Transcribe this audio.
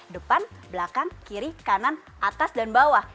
depan belakang kiri kanan atas dan bawah